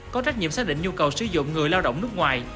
có trách nhiệm xác định nhu cầu sử dụng người lao động nước ngoài